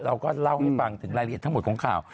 เราก็เล่าให้ฟังถึงรายละเอียดทั้งหมดของข่าว